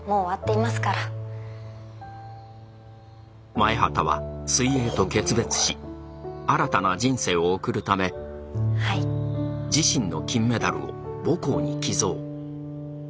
前畑は水泳と決別し新たな人生を送るため自身の金メダルを母校に寄贈。